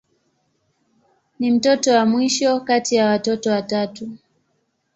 Ni mtoto wa mwisho kati ya watoto watatu.